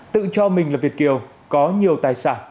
tự cho mình là việt kiều có nhiều tài sản